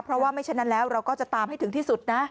เพราะว่าไม่ฉะนั้นแล้วเราก็จะตามให้ถึงที่สุดนะ